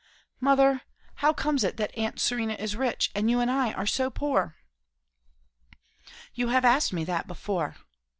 "Mother, how comes it that aunt Serena is rich, and you and I are so poor?" "You have asked me that before."